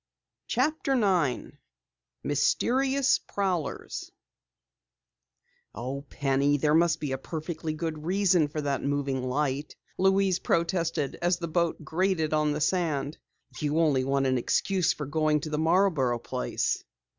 CHAPTER 9 MYSTERIOUS PROWLERS "Oh, Penny, there must be a perfectly good reason for that moving light," Louise protested as the boat grated on the sand. "You only want an excuse for going to the Marborough place!"